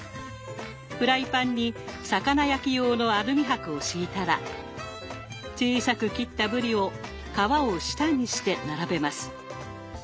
フライパンに魚焼き用のアルミ箔を敷いたら小さく切ったぶりを皮を下にして並べます。